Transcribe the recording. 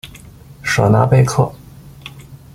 舍纳贝克。